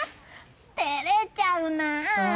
照れちゃうな。